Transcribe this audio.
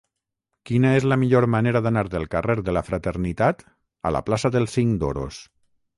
Quina és la millor manera d'anar del carrer de la Fraternitat a la plaça del Cinc d'Oros?